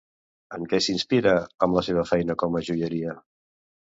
En què s'inspira amb la seva feina com a joiera?